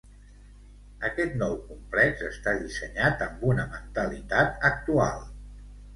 Aquest nou complex està dissenyat amb una mentalitat actual.